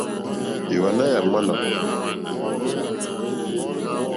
Èwànâ yà ŋwánà.